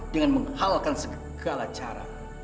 dengan menghalalkan segala cara